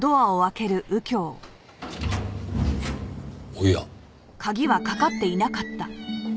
おや。